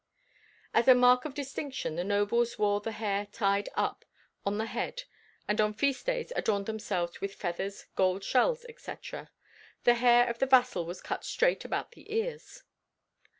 As a mark of distinction the nobles wore the hair tied high up on the head and on feast days adorned themselves with feathers, gold shells, etc. The hair of the vassal was cut straight about the ears.